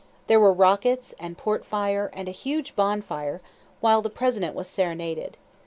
There were rockets, and portfire, and a huge bonfire, while the President was serenaded.